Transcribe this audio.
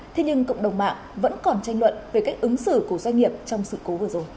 thế nhưng cộng đồng mạng vẫn còn tranh luận về cách ứng xử của doanh nghiệp trong sự cố vừa rồi